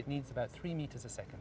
tapi butuh tiga meter per saat